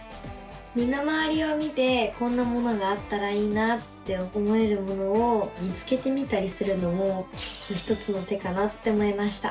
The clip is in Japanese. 身の回りを見てこんなものがあったらいいなって思えるものを見つけてみたりするのも一つの手かなって思いました。